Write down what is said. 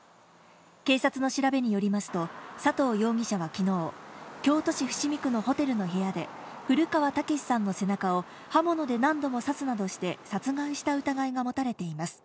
警察の調べによりますと、佐藤容疑者はきのう、京都市伏見区のホテルの部屋で、古川剛さんの背中を刃物で何度も刺すなどして殺害した疑いが持たれています。